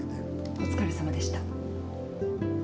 お疲れさまでした。